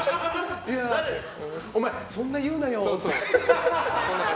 お前、そんな言うなよって。